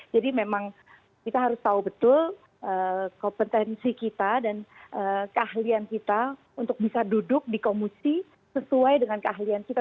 jadi memang kita harus tahu betul kompetensi kita dan keahlian kita untuk bisa duduk di komisi sesuai dengan keahlian kita